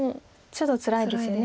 ちょっとつらいですよね。